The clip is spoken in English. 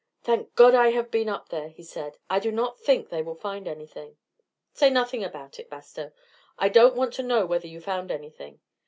"Thank God I have been up there," he said. "I do not think they will find anything." "Say nothing about it, Bastow; I don't want to know whether you found anything.